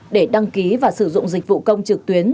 để đăng ký và sử dụng dịch vụ công trực tuyến